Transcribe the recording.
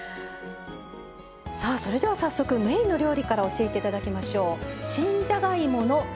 さあそれでは早速メインの料理から教えて頂きましょう。